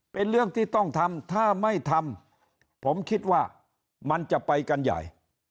เป็นเรื่องที่ต้องทำถ้าไม่ทำผมคิดว่ามันจะไปกันใหญ่